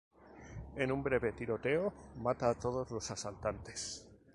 En un breve tiroteo, mata a todos los asaltantes.